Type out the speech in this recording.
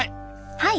はい。